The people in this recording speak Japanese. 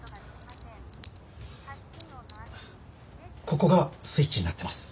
ここがスイッチになってます。